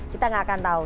kita nggak akan tahu